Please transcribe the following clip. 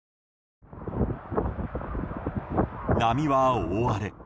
波は大荒れ。